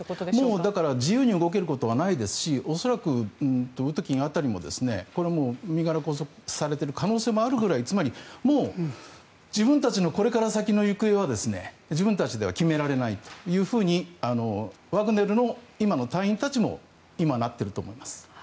もう自由に動けることはないですし恐らく、ウトキン辺りも身柄が拘束されている可能性もあるぐらいつまり、もう自分たちのこれから先の行方は自分たちでは決められないというふうにワグネルの今の隊員たちも今、なっていると思います。